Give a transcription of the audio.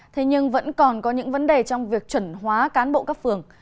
thế nhưng vẫn còn có những vấn đề trong việc chuẩn hóa cán bộ các phường